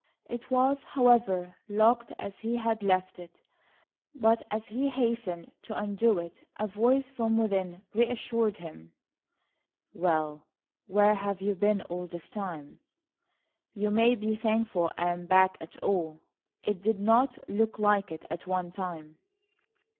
It was, however, locked as he had left it. But as he hastened to undo it, a voice from within reassured him: [Illustration: He let McVay out of the closet] "Well, where have you been all this time?" "You may be thankful I'm back at all. It did not look like it, at one time."